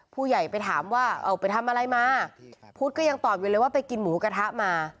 ผู้ใหญ่ไปถามว่าเอาไปทำอะไรมาพุทธก็ยังตอบอยู่เลยว่าไปกินหมูกระทะมา